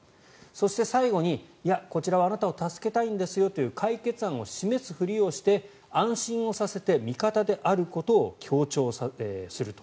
そして、最後にこちらはあなたを助けたいんですよという解決案を示すふりをして安心をさせて味方であることを強調すると。